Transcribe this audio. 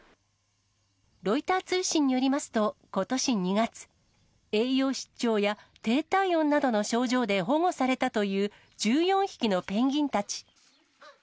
ロイター通信によりますと、ことし２月、栄養失調や低体温などの症状で保護されたという１４匹のペンギンたち。